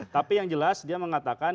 tapi yang jelas dia mengatakan